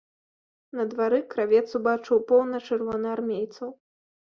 На двары кравец убачыў поўна чырвонаармейцаў.